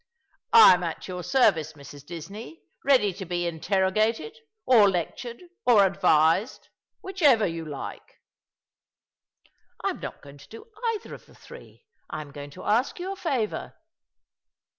"I am at your service, Mrs. Disney ; ready to be inter rogated, or lectured, or advised, whichever you like." " I am not going to do either of the three. I am going to ask you a favour."